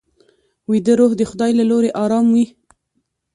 ویده روح د خدای له لوري ارام وي